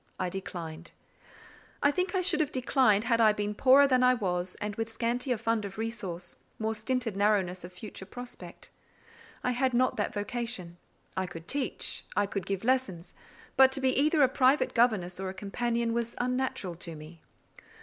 I declined. I think I should have declined had I been poorer than I was, and with scantier fund of resource, more stinted narrowness of future prospect. I had not that vocation. I could teach; I could give lessons; but to be either a private governess or a companion was unnatural to me.